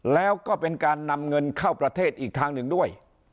แล้วก็เป็นการนำเงินเข้าประเทศอีกทางหนึ่งด้วย